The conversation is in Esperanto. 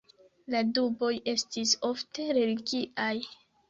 La duboj estis ofte religiaj.